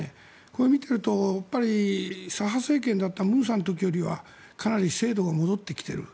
これを見ていると左派政権だった文さんの時よりはかなり制度が戻ってきている。